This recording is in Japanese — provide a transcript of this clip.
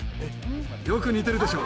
よく似てるでしょ。